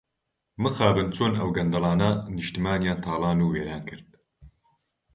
مخابن چۆن ئەو گەندەڵانە نیشتمانیان تاڵان و وێران کرد.